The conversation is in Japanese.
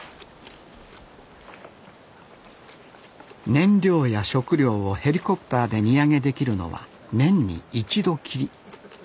燃料や食料をヘリコプターで荷上げできるのは年に一度きり。